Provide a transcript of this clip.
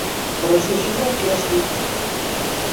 «però si això és el que has dit!».